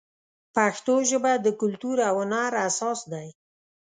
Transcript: پښتو ژبه د کلتور او هنر اساس دی.